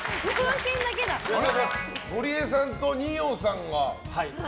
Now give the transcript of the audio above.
ゴリエさんと二葉さんが。